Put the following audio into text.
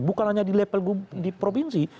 bukan hanya di level di provinsi